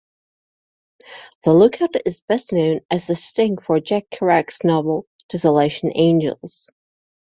The lookout is best known as the setting for Jack Kerouac's novel "Desolation Angels".